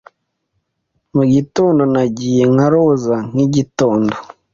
Mu gitondo nagiye nka roza nkigitondo